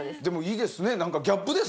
でもいいですねなんか。